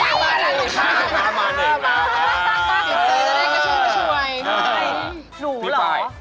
แล้วเองก็ช่วย